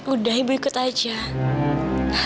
udah ibu ikut aja